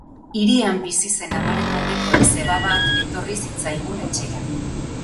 Hirian bizi zen amaren aldeko izeba bat etorri zitzaigun etxera.